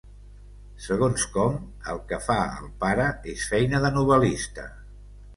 Segons com, el que fa el pare és feina de novel·lista.